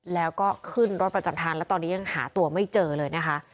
แล้วก็ขึ้นรถประจำทางแล้วตอนนี้ยังหาตัวไม่เจอเลยนะคะ